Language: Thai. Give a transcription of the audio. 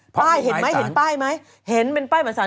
ป้ายเห็นไหมเห็นป้ายไหมเห็นเป็นป้ายหมายสาร